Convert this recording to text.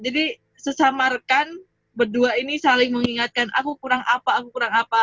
jadi sesama rekan berdua ini saling mengingatkan aku kurang apa aku kurang apa